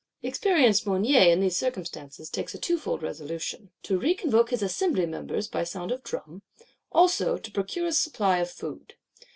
Experienced Mounier, in these circumstances, takes a twofold resolution: To reconvoke his Assembly Members by sound of drum; also to procure a supply of food.